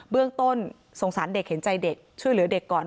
เรื่องต้นสงสารเด็กเห็นใจเด็กช่วยเหลือเด็กก่อน